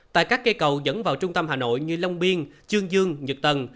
tại các cây cầu dẫn vào trung tâm hà nội như long biên chương dương nhật tân